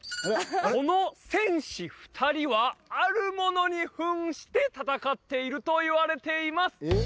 この戦士２人はあるものに扮して戦っているといわれています